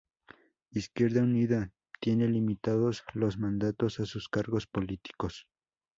Izquierda Unida tiene limitados los mandatos a sus cargos políticos.